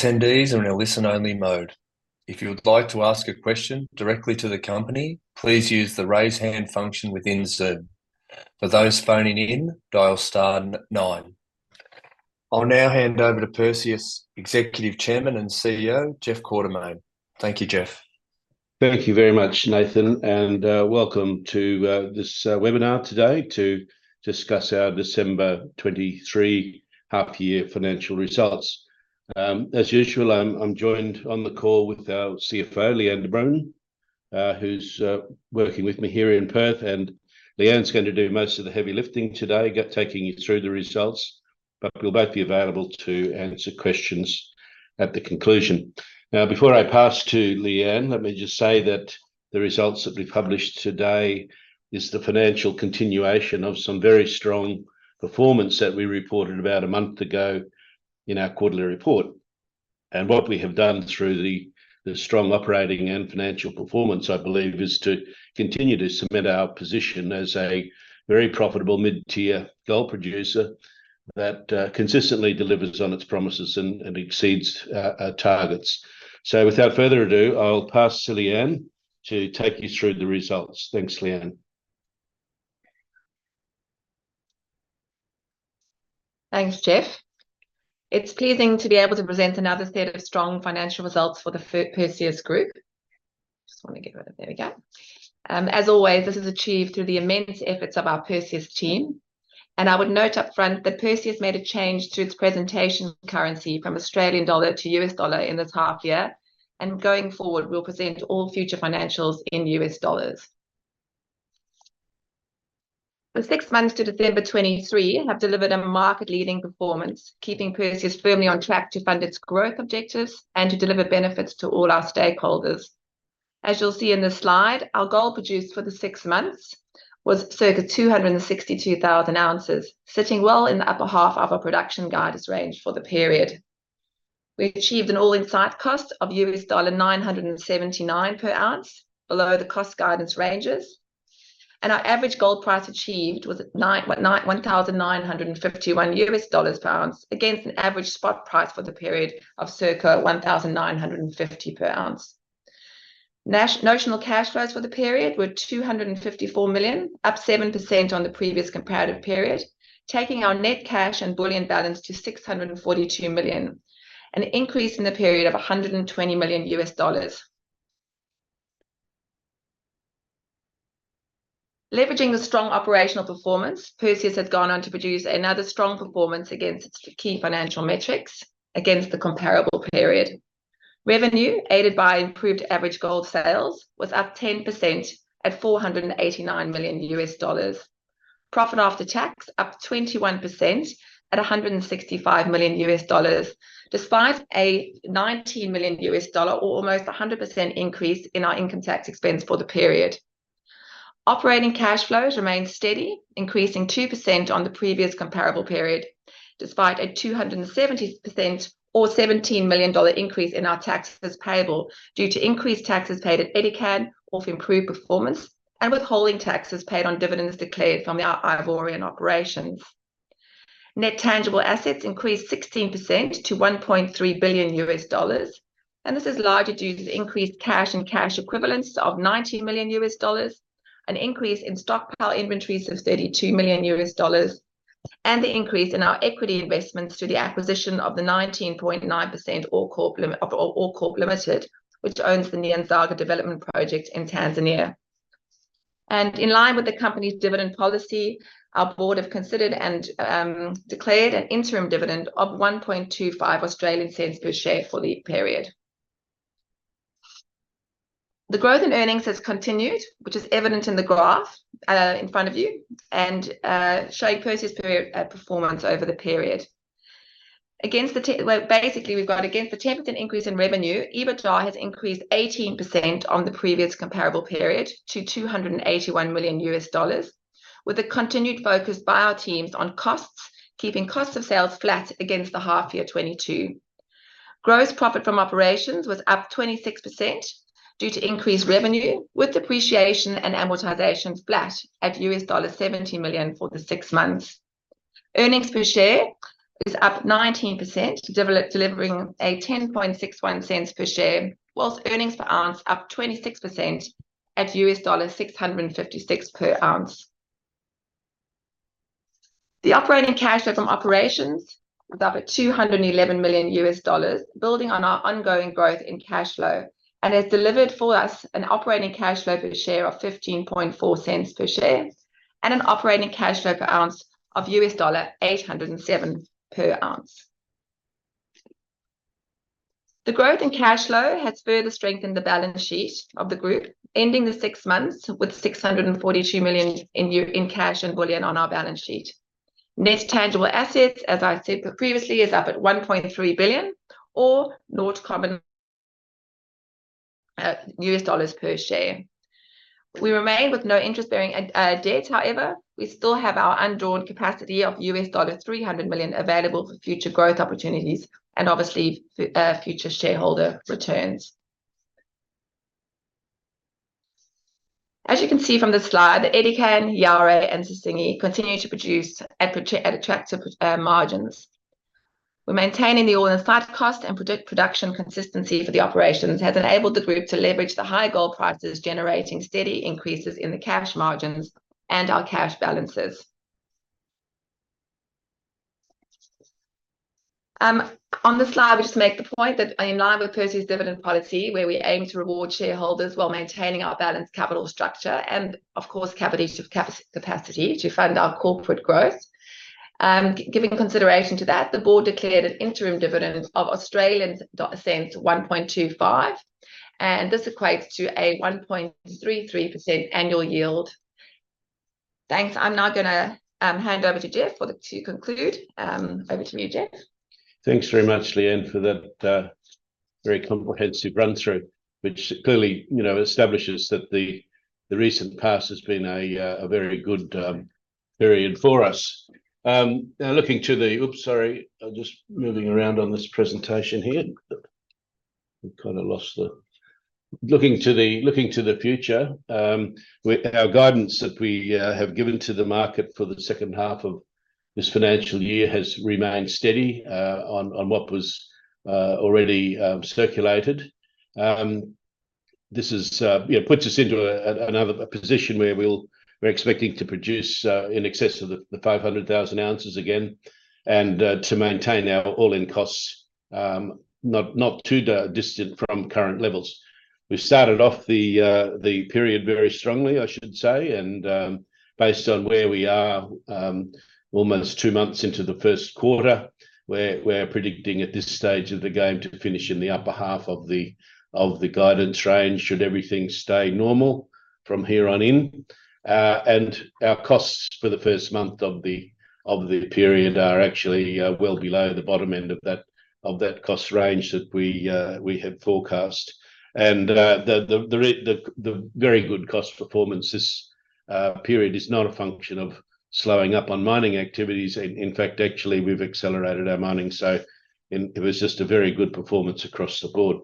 Attendees are in a listen-only mode. If you would like to ask a question directly to the company, please use the raise hand function within Zoom. For those phoning in, dial star nine. I'll now hand over to Perseus Executive Chairman and CEO Jeff Quartermaine. Thank you, Jeff. Thank you very much, Nathan, and welcome to this webinar today to discuss our December 2023 half-year financial results. As usual, I'm joined on the call with our CFO, Lee-Anne de Bruin, who's working with me here in Perth, and Lee-Anne's going to do most of the heavy lifting today, taking you through the results, but we'll both be available to answer questions at the conclusion. Before I pass to Lee-Anne, let me just say that the results that we've published today are the financial continuation of some very strong performance that we reported about a month ago in our quarterly report. And what we have done through the strong operating and financial performance, I believe, is to continue to cement our position as a very profitable mid-tier gold producer that consistently delivers on its promises and exceeds targets. Without further ado, I'll pass to Lee-Anne to take you through the results. Thanks, Lee-Anne. Thanks, Jeff. It's pleasing to be able to present another set of strong financial results for the Perseus Group. As always, this is achieved through the immense efforts of our Perseus team. I would note upfront that Perseus made a change to its presentation currency from Australian dollar to US dollar in this half-year, and going forward, we'll present all future financials in US dollars. The six months to December 2023 have delivered a market-leading performance, keeping Perseus firmly on track to fund its growth objectives and to deliver benefits to all our stakeholders. As you'll see in this slide, our gold produced for the six months was circa 262,000 ounces, sitting well in the upper half of our production guidance range for the period. We achieved an all-in site cost of $979 per ounce, below the cost guidance ranges. Our average gold price achieved was $1,951 per ounce, against an average spot price for the period of circa 1,950 per ounce. Notional cash flows for the period were $254 million, up 7% on the previous comparative period, taking our net cash and bullion balance to $642 million, an increase in the period of $120 million. Leveraging the strong operational performance, Perseus had gone on to produce another strong performance against its key financial metrics against the comparable period. Revenue, aided by improved average gold sales, was up 10% at $489 million. Profit after tax, up 21% at $165 million, despite a $19 million or almost 100% increase in our income tax expense for the period. Operating cash flows remained steady, increasing 2% on the previous comparable period, despite a 270% or $17 million increase in our taxes payable due to increased taxes paid at Edikan or for improved performance and withholding taxes paid on dividends declared from the Ivorian operations. Net tangible assets increased 16% to $1.3 billion, and this is largely due to the increased cash and cash equivalents of $19 million, an increase in stockpile inventories of $32 million, and the increase in our equity investments through the acquisition of the 19.9% OreCorp Limited, which owns the Nyanzaga Gold Project in Tanzania. In line with the company's dividend policy, our board have considered and declared an interim dividend of 0.0125 per share for the period. The growth in earnings has continued, which is evident in the graph in front of you, and showing Perseus' performance over the period. Basically, we've got, against the 10% increase in revenue, EBITDA has increased 18% on the previous comparable period to $281 million, with a continued focus by our teams on costs, keeping costs of sales flat against the half-year 2022. Gross profit from operations was up 26% due to increased revenue, with depreciation and amortization flat at $70 million for the six months. Earnings per share is up 19%, delivering a $0.1061 per share, whilst earnings per ounce up 26% at $656 per ounce. The operating cash flow from operations was up at $211 million, building on our ongoing growth in cash flow and has delivered for us an operating cash flow per share of $0.154 per share and an operating cash flow per ounce of $807 per ounce. The growth in cash flow has further strengthened the balance sheet of the group, ending the six months with $642 million in cash and bullion on our balance sheet. Net tangible assets, as I said previously, are up at $1.3 billion or US dollars per share. We remain with no interest-bearing debt, however. We still have our undrawn capacity of $300 million available for future growth opportunities and obviously future shareholder returns. As you can see from the slide, the Edikan, Yaouré, and Sissingué continue to produce at attractive margins. We maintaining the all-in-site cost and production consistency for the operations has enabled the group to leverage the high gold prices, generating steady increases in the cash margins and our cash balances. On the slide, we just make the point that in line with Perseus' dividend policy, where we aim to reward shareholders while maintaining our balanced capital structure and, of course, capital capacity to fund our corporate growth. Giving consideration to that, the board declared an interim dividend of 0.0125, and this equates to a 1.33% annual yield. Thanks. I'm now going to hand over to Jeff to conclude. Over to you, Jeff. Thanks very much, Lee-Anne, for that very comprehensive run-through, which clearly establishes that the recent past has been a very good period for us. Now, oops, sorry. I'm just moving around on this presentation here. We've kind of lost the looking to the future, our guidance that we have given to the market for the second half of this financial year has remained steady on what was already circulated. This puts us into another position where we're expecting to produce in excess of 500,000 ounces again and to maintain our all-in costs not too distant from current levels. We've started off the period very strongly, I should say, and based on where we are, almost two months into the first quarter, we're predicting at this stage of the game to finish in the upper half of the guidance range should everything stay normal from here on in. And our costs for the first month of the period are actually well below the bottom end of that cost range that we have forecast. And the very good cost performance this period is not a function of slowing up on mining activities. In fact, actually, we've accelerated our mining, so it was just a very good performance across the board.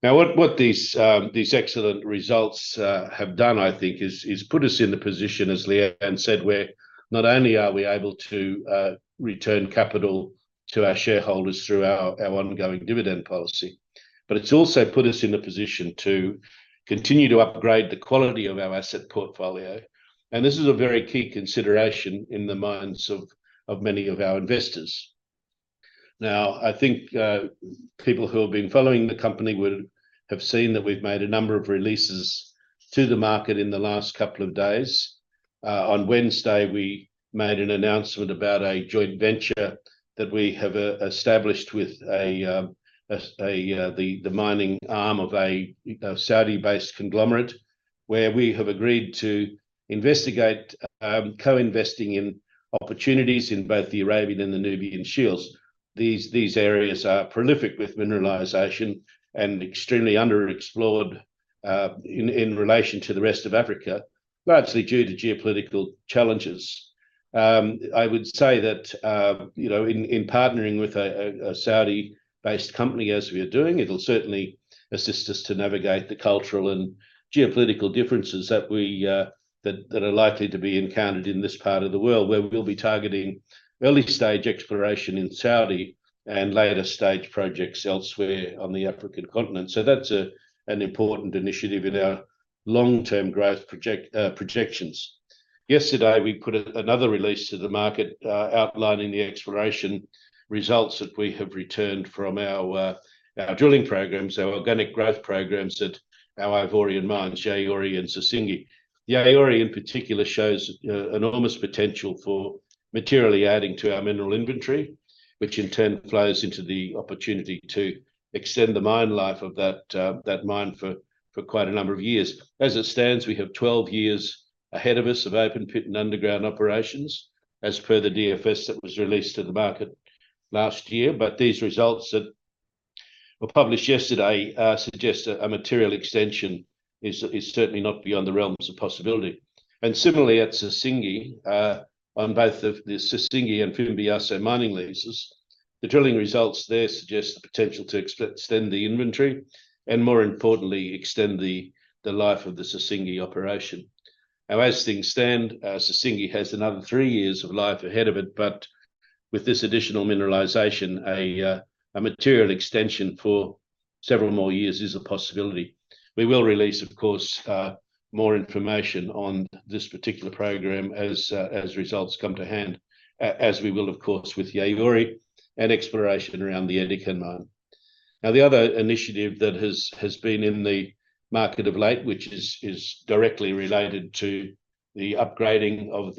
Now, what these excellent results have done, I think, is put us in the position, as Lee-Anne said, where not only are we able to return capital to our shareholders through our ongoing dividend policy, but it's also put us in the position to continue to upgrade the quality of our asset portfolio. This is a very key consideration in the minds of many of our investors. Now, I think people who have been following the company would have seen that we've made a number of releases to the market in the last couple of days. On Wednesday, we made an announcement about a joint venture that we have established with the mining arm of a Saudi-based conglomerate, where we have agreed to investigate, co-investing in opportunities in both the Arabian and the Nubian Shields. These areas are prolific with mineralization and extremely underexplored in relation to the rest of Africa, largely due to geopolitical challenges. I would say that in partnering with a Saudi-based company as we are doing, it'll certainly assist us to navigate the cultural and geopolitical differences that are likely to be encountered in this part of the world, where we'll be targeting early-stage exploration in Saudi Arabia and later-stage projects elsewhere on the African continent. So that's an important initiative in our long-term growth projections. Yesterday, we put another release to the market outlining the exploration results that we have returned from our drilling programs, our organic growth programs at our Ivorian mines, Yaouré and Sissingué. Yaouré, in particular, shows enormous potential for materially adding to our mineral inventory, which in turn flows into the opportunity to extend the mine life of that mine for quite a number of years. As it stands, we have 12 years ahead of us of open-pit and underground operations, as per the DFS that was released to the market last year. But these results that were published yesterday suggest a material extension is certainly not beyond the realms of possibility. And similarly, at Sissingué, on both the Sissingué and Fimbiasso mining leases, the drilling results there suggest the potential to extend the inventory and, more importantly, extend the life of the Sissingué operation. Now, as things stand, Sissingué has another three years of life ahead of it, but with this additional mineralization, a material extension for several more years is a possibility. We will release, of course, more information on this particular program as results come to hand, as we will, of course, with Yaouré and exploration around the Edikan mine. Now, the other initiative that has been in the market of late, which is directly related to the upgrading of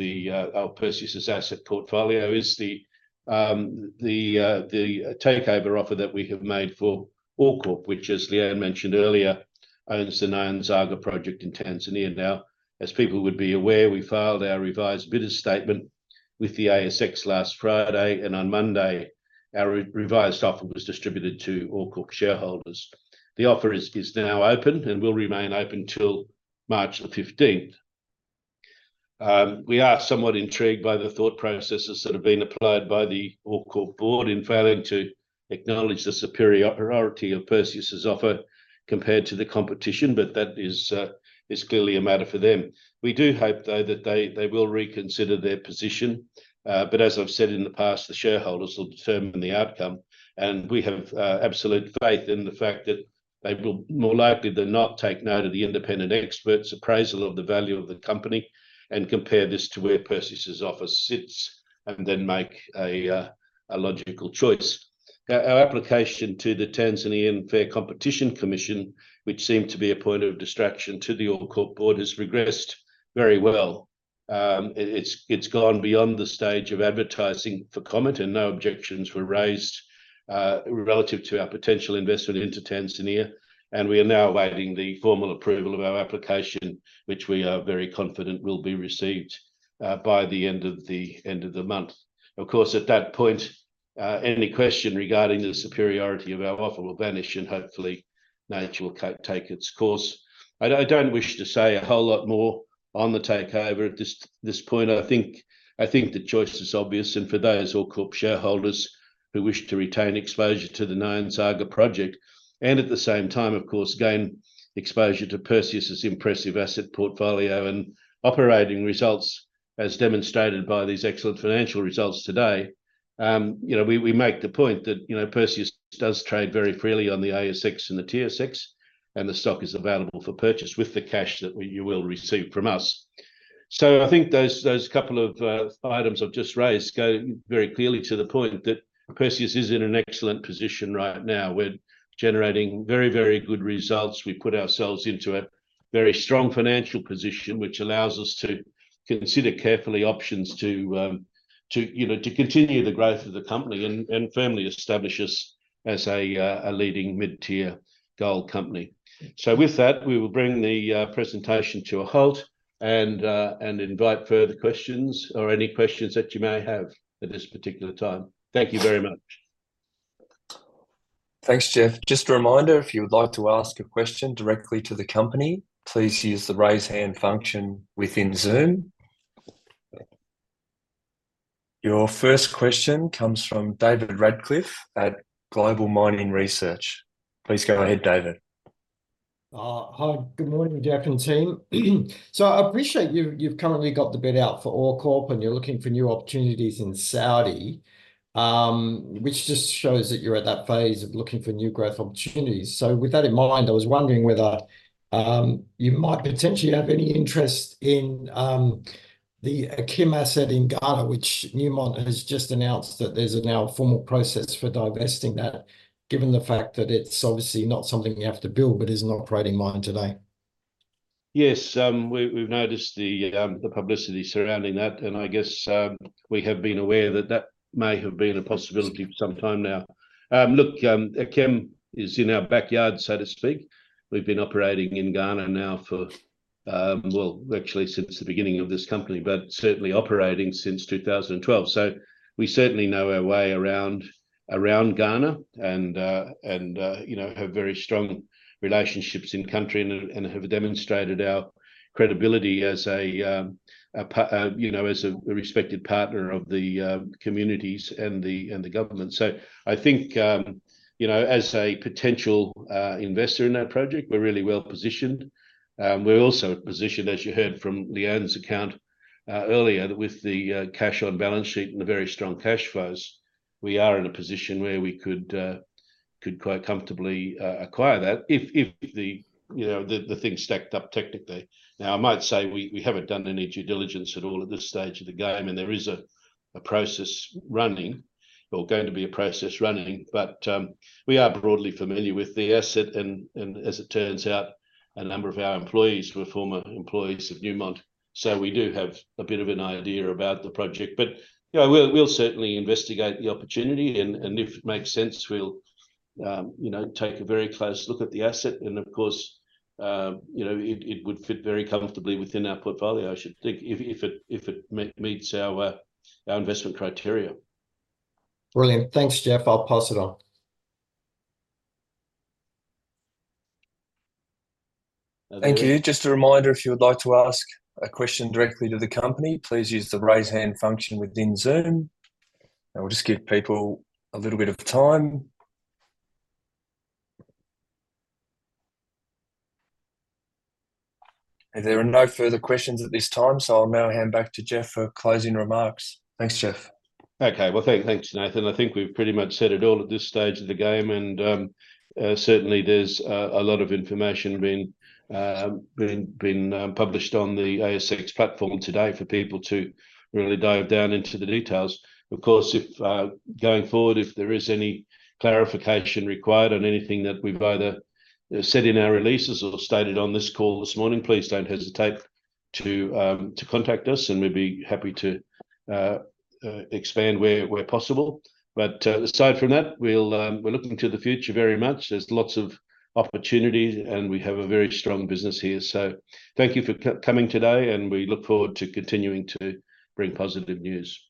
Perseus' asset portfolio, is the takeover offer that we have made for OreCorp, which, as Lee-Anne mentioned earlier, owns the Nyanzaga project in Tanzania. Now, as people would be aware, we filed our revised bidder statement with the ASX last Friday, and on Monday, our revised offer was distributed to OreCorp shareholders. The offer is now open and will remain open till March the 15th. We are somewhat intrigued by the thought processes that have been applied by the OreCorp board in failing to acknowledge the superiority of Perseus' offer compared to the competition, but that is clearly a matter for them. We do hope, though, that they will reconsider their position. But as I've said in the past, the shareholders will determine the outcome. We have absolute faith in the fact that they will, more likely than not, take note of the independent experts' appraisal of the value of the company and compare this to where Perseus' offer sits, and then make a logical choice. Now, our application to the Tanzanian Fair Competition Commission, which seemed to be a point of distraction to the OreCorp board, has progressed very well. It's gone beyond the stage of advertising for comment, and no objections were raised relative to our potential investment into Tanzania. And we are now awaiting the formal approval of our application, which we are very confident will be received by the end of the month. Of course, at that point, any question regarding the superiority of our offer will vanish, and hopefully, nature will take its course. I don't wish to say a whole lot more on the takeover at this point. I think the choice is obvious. For those OreCorp shareholders who wish to retain exposure to the Nyanzaga project and at the same time, of course, gain exposure to Perseus' impressive asset portfolio and operating results, as demonstrated by these excellent financial results today, we make the point that Perseus does trade very freely on the ASX and the TSX, and the stock is available for purchase with the cash that you will receive from us. I think those couple of items I've just raised go very clearly to the point that Perseus is in an excellent position right now. We're generating very, very good results. We put ourselves into a very strong financial position, which allows us to consider carefully options to continue the growth of the company and firmly establish us as a leading mid-tier gold company. With that, we will bring the presentation to a halt and invite further questions or any questions that you may have at this particular time. Thank you very much. Thanks, Jeff. Just a reminder, if you would like to ask a question directly to the company, please use the raise hand function within Zoom. Your first question comes from David Radclyffe at Global Mining Research. Please go ahead, David. Hi. Good morning, Jeff and team. I appreciate you've currently got the bid out for OreCorp and you're looking for new opportunities in Saudi Arabia, which just shows that you're at that phase of looking for new growth opportunities. With that in mind, I was wondering whether you might potentially have any interest in the Akyem asset in Ghana, which Newmont has just announced that there's now a formal process for divesting that, given the fact that it's obviously not something you have to build but is an operating mine today. Yes. We've noticed the publicity surrounding that, and I guess we have been aware that that may have been a possibility for some time now. Look, Akyem is in our backyard, so to speak. We've been operating in Ghana now for well, actually, since the beginning of this company, but certainly operating since 2012. So we certainly know our way around Ghana and have very strong relationships in country and have demonstrated our credibility as a respected partner of the communities and the government. So I think as a potential investor in that project, we're really well positioned. We're also positioned, as you heard from Lee-Anne's account earlier, that with the cash on balance sheet and the very strong cash flows, we are in a position where we could quite comfortably acquire that if the thing stacked up technically. Now, I might say we haven't done any due diligence at all at this stage of the game, and there is a process running or going to be a process running. But we are broadly familiar with the asset, and as it turns out, a number of our employees were former employees of Newmont. So we do have a bit of an idea about the project. But we'll certainly investigate the opportunity, and if it makes sense, we'll take a very close look at the asset. And of course, it would fit very comfortably within our portfolio, I should think, if it meets our investment criteria. Brilliant. Thanks, Jeff. I'll pass it on. Thank you. Just a reminder, if you would like to ask a question directly to the company, please use the raise hand function within Zoom. We'll just give people a little bit of time. There are no further questions at this time, so I'll now hand back to Jeff for closing remarks. Thanks, Jeff. Okay. Well, thanks, Nathan. I think we've pretty much said it all at this stage of the game. And certainly, there's a lot of information been published on the ASX platform today for people to really dive down into the details. Of course, going forward, if there is any clarification required on anything that we've either said in our releases or stated on this call this morning, please don't hesitate to contact us, and we'd be happy to expand where possible. But aside from that, we're looking to the future very much. There's lots of opportunities, and we have a very strong business here. So thank you for coming today, and we look forward to continuing to bring positive news.